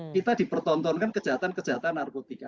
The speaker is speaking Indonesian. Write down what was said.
kita dipertontonkan kejahatan kejahatan narkotika